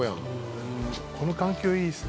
この環境いいですね。